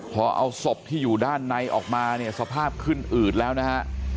พอเอาศพที่อยู่ด้านในออกมาเนี่ยสภาพขึ้นอืดแล้วนะฮะ